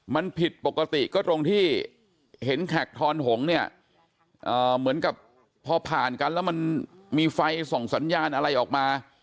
มันผิดปกติก็ตรงที่เห็นแขกทอนหงษ์เนี่ยเหมือนกับพอผ่านกันแล้วมันมีไฟส่องสัญญาณอะไรออกมา